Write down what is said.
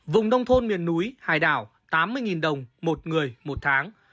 vùng nông thôn miền núi hải đảo tám mươi đồng một người một tháng